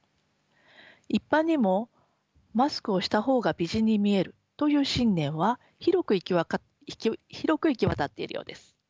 一般にもマスクをした方が美人に見えるという信念は広く行き渡っているようです。